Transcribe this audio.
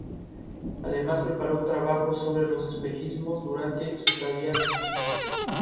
Debido a esto, el estadio recibió dos encuentros de la selección alemana como compensación.